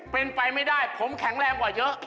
เป็นไปไม่ได้ผมแข็งแรงกว่าเยอะ